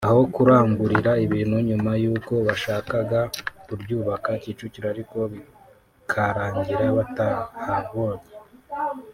aho kurangurira ibintu nyuma y’uko bashakaga kuryubaka Kicukiro ariko bikarangira batahabonye